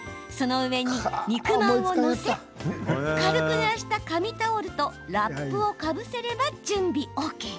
その上に肉まんを載せ軽くぬらした紙タオルとラップをかぶせれば準備ＯＫ。